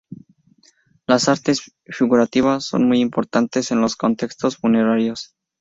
Las artes figurativas son muy importantes en los contextos funerarios.